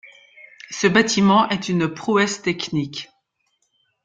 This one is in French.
Ce bâtiment est une prouesse technique.